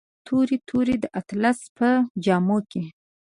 تورې، تورې د اطلسو په جامو کې